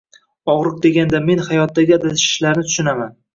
Og’riq deganda men hayotdagi adashishlarni tushunaman.